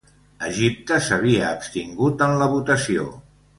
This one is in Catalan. Egipte s'havia abstingut en la votació.